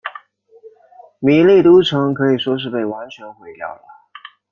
米利都城可以说是被完全毁掉了。